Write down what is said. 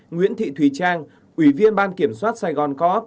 nguyễn thị thùy trang ủy viên ban kiểm soát saigon co op